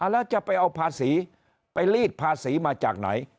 แล้วจะไปเอาภาษีไปรีดภาษีมาจากไหน